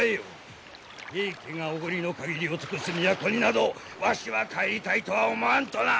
平家がおごりの限りを尽くす都になどわしは帰りたいとは思わぬとな。